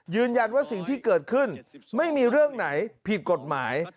ยืนยันว่าสิ่งที่เกิดขึ้นไม่มีเรื่องไหนผิดกฎหมาย